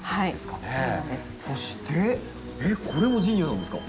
そしてえっこれもジニアなんですか？